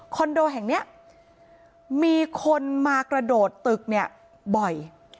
โดแห่งนี้มีคนมากระโดดตึกเนี่ยบ่อย